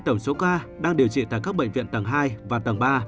tổng số ca đang điều trị tại các bệnh viện tầng hai và tầng ba